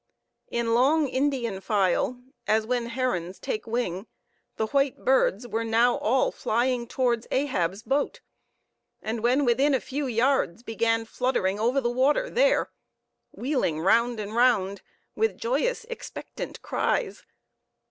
In long Indian file, as when herons take wing, the white birds were now all flying towards Ahab's boat; and when within a few yards began fluttering over the water there, wheeling round and round, with joyous, expectant cries.